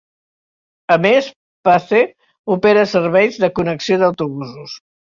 A més, Pace opera serveis de connexió d'autobusos.